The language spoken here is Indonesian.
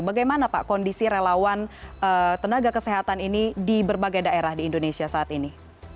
bagaimana pak kondisi relawan tenaga kesehatan ini di berbagai daerah di indonesia saat ini